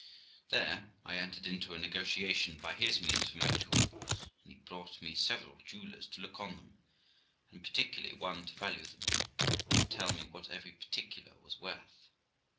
There I entered into a negotiation by his means for my jewels, and he brought me several jewellers to look on them, and particularly one to value them, and to tell me what every particular was worth.